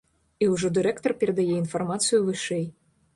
І ўжо дырэктар перадае інфармацыю вышэй.